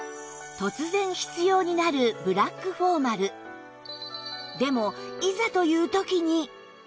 突然必要になるでもいざという時に